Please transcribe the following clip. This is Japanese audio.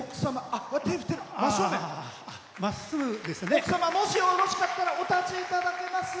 奥様、もしよろしかったらお立ちいただけます？